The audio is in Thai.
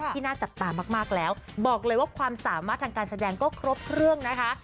น่าจับตามากแล้วบอกเลยว่าความสามารถทางการแสดงก็ครบเครื่องนะคะ